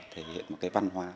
thể hiện một cái văn hoa